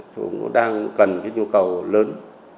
chúng đang cần cái nhu cầu lớn